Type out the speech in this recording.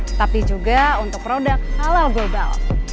tetapi juga untuk produk halal global